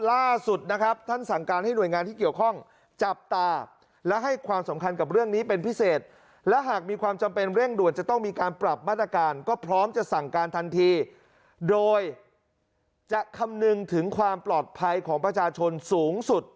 ล่าสุดนะครับท่านสั่งการให้หน่วยงานที่เกี่ยวข้องจับตาและให้ความสำคัญกับเรื่องนี้เป็นพิเศษและหากมีความจำเป็นเร่งด่วนจะต้องมีการปรับมาตรการก็พร้อมจะสั่งการทันทีโดยจะคำนึงถึงความปลอดภัยของประชาชนสูงสุด